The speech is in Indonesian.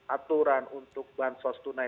aturan untuk bansos tunai